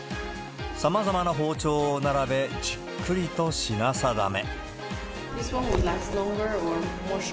さまざまな包丁を並べ、じっくりと品定め。